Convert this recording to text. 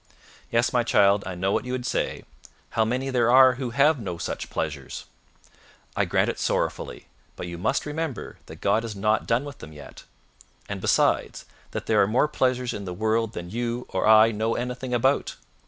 Yes, my child, I know what you would say, "How many there are who have no such pleasures!" I grant it sorrowfully; but you must remember that God has not done with them yet; and, besides, that there are more pleasures in the world than you or I know anything about.